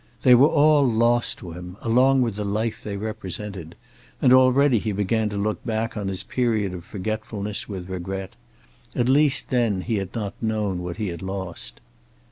They were all lost to him, along with the life they represented. And already he began to look back on his period of forgetfulness with regret. At least then he had not known what he had lost.